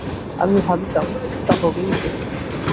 আমি ভাবিতাম, তা হবেই তো।